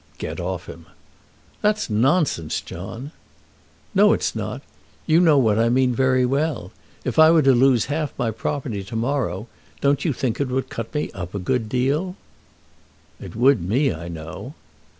"Get off him." "That's nonsense, John!" "No, it's not. You know what I mean very well. If I were to lose half my property to morrow, don't you think it would cut me up a good deal?" "It would me, I know."